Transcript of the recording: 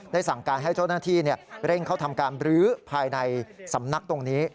สั่งการให้เจ้าหน้าที่เร่งเข้าทำการบรื้อภายในสำนักตรงนี้